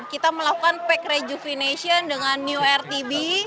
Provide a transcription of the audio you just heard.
kita melakukan pack rejupination dengan new rtb